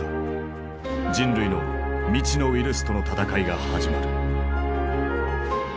人類の未知のウイルスとの闘いが始まる。